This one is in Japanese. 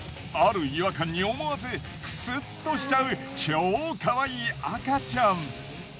ある違和感に思わずクスッとしちゃう超かわいい赤ちゃん。